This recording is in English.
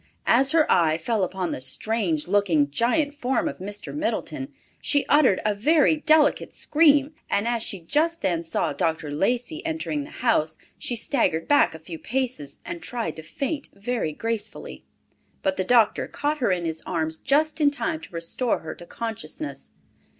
As her eye fell upon the strange looking, giant form of Mr. Middleton, she uttered a very delicate scream, and as she just then saw Dr. Lacey entering the house, she staggered back a few paces, and tried to faint very gracefully. But the doctor caught her in his arms just in time to restore her to consciousness!